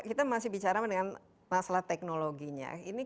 kita masih bicara dengan masalah teknologinya